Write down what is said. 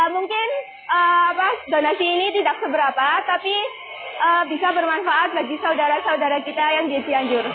mungkin donasi ini tidak seberapa tapi bisa bermanfaat bagi saudara saudara kita yang di cianjur